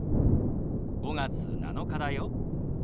「５月７日だよ」。